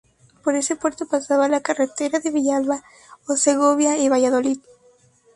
Por ese puerto pasaba la carretera de Villalba a Segovia y Valladolid.